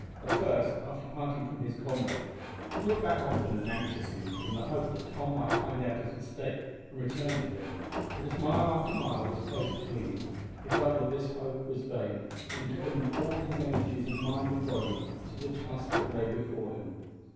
At first, after parting from his comrade, he looked back often and anxiously, in the hope that Tom might find out his mistake and return to him; but as mile after mile was placed between them, he felt that this hope was vain, and turned all his energies of mind and body to the task that lay before him.